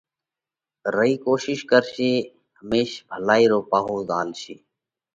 رئي ڪوشِيش ڪرشي۔ هميش ڀلائِي رو پاهو زهالشي